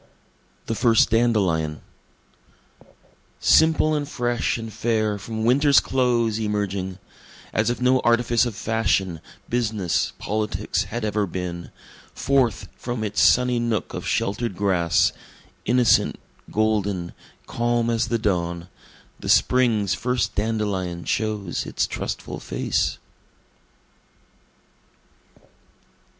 The First Dandelion Simple and fresh and fair from winter's close emerging, As if no artifice of fashion, business, politics, had ever been, Forth from its sunny nook of shelter'd grass innocent, golden, calm as the dawn, The spring's first dandelion shows its trustful face.